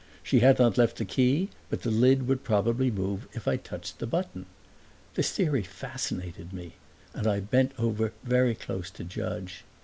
She had not left the key, but the lid would probably move if I touched the button. This theory fascinated me, and I bent over very close to judge.